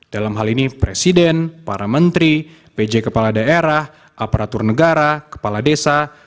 dalam hal ini presiden para menteri pj kepala daerah aparatur negara kepala desa